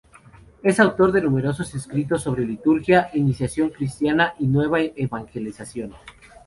Es autor de numerosos escritos sobre liturgia, iniciación cristiana y nueva evangelización.